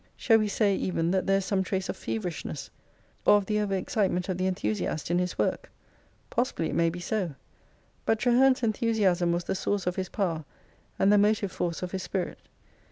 Shall we say even that there is some trace of feverishness, or of the over excitement of the enthusiast in his work ? Pos sibly it may be so ; but Traherne's enthusiasm was the source of his power, and the motive force of his spirit.